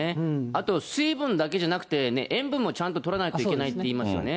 あと、水分だけじゃなくて、塩分もちゃんととらないといけないっていいますよね。